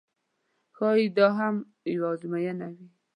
ښایي دا هم یوه آزموینه وي.